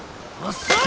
遅い！